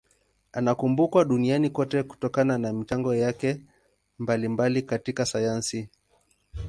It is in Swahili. Anakumbukwa duniani kote kutokana na michango yake mbalimbali katika sayansi.